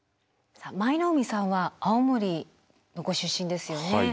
さあ舞の海さんは青森のご出身ですよね。